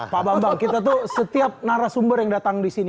pak bambang kita tuh setiap narasumber yang datang disini